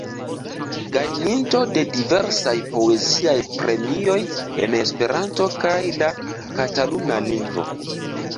Gajninto de diversaj poeziaj premioj en Esperanto kaj la kataluna lingvo.